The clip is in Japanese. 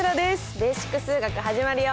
「ベーシック数学」始まるよ。